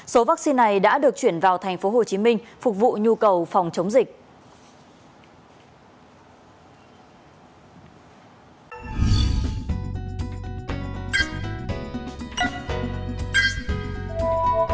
số vaccine này đã được chuyển vào thành phố hồ chí minh phục vụ nhu cầu phòng chống dịch